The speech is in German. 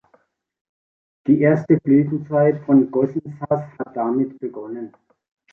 Die erste Blütezeit von Gossensaß hat damit begonnen.